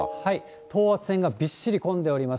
等圧線がびっしり混んでおります。